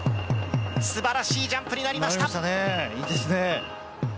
すばらしいジャンプになりました。